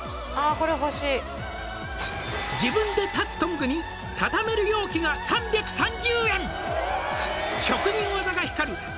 「自分で立つトングにたためる容器が３３０円！」